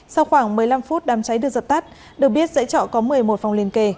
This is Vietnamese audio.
sau khoảng một mươi năm phút đám cháy được dập tắt được biết dãy trọ có một mươi một phòng liên kề